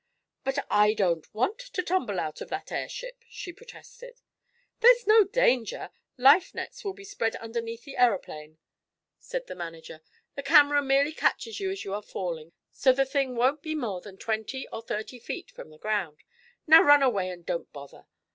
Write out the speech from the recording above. "But I don't want to tumble out of that airship," she protested. "There's no danger. Life nets will be spread underneath the aeroplane," said the manager. "The camera merely catches you as you are falling, so the thing won't be more than twenty or thirty feet from the ground. Now run away and don't bother.